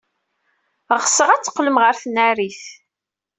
Ɣseɣ ad d-teqqlem ɣer tnarit.